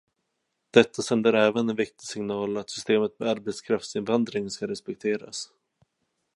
Detta sänder även en viktig signal att systemet med arbetskraftsinvandring ska respekteras.